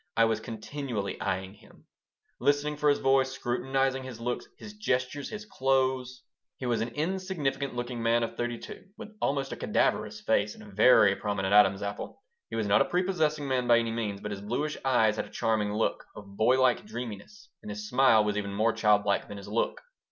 I was continually eying him, listening for his voice, scrutinizing his look, his gestures, his clothes He was an insignificant looking man of thirty two, with almost a cadaverous face and a very prominent Adam's apple. He was not a prepossessing man by any means, but his bluish eyes had a charming look, of boy like dreaminess, and his smile was even more child like than his look.